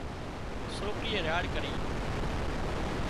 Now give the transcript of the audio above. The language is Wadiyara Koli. سوڪرِيئي راڙ ڪرِي